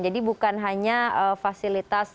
jadi bukan hanya fasilitas